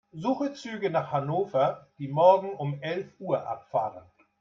Suche Züge nach Hannover, die morgen um elf Uhr abfahren.